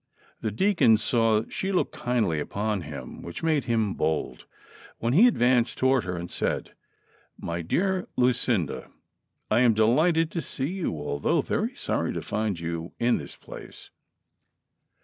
The deacon saw that she looked kindly upon him, which made him bold, when he advanced to ward her and said :" My dear Lucinda, I am delighted to see you, although very sorry to find you in this place."